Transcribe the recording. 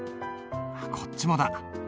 こっちもだ。